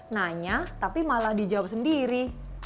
nanya tapi malah dijawab sendiri